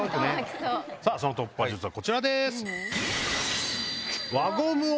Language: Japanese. その突破術はこちらです。